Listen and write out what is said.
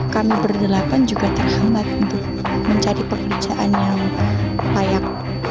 kami berdelapan juga terhambat untuk mencari pekerjaan yang layak